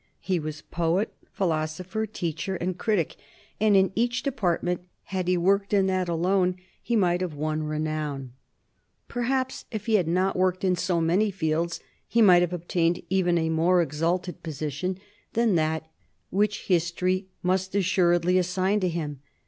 He was poet, philosopher, teacher, and critic, and in each department, had he worked in that alone, he must have won renown. Perhaps if he had not worked in so many fields he might have obtained even a more exalted position than that which history must assuredly assign to him.